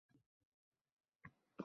Meni Alloh huzurida uyaltirib qo'yma!